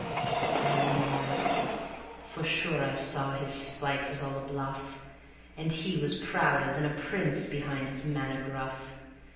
I only laughed, for sure I saw his spite was all a bluff, And he was prouder than a prince behind his manner gruff.